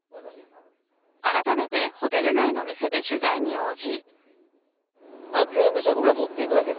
あらためてホテル内の店で取材に応じ。